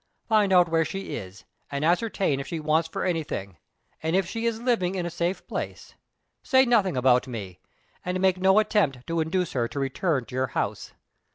"Find out where she is, and ascertain if she wants for anything, and if she is living in a safe place. Say nothing about me, and make no attempt to induce her to return to your house.